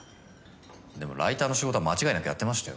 でもライターの仕事は間違いなくやってましたよ。